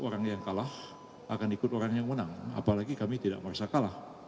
orang yang kalah akan ikut orang yang menang apalagi kami tidak merasa kalah